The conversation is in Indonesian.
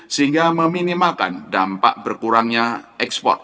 sehingga meminimalkan dampak berkurangnya ekspor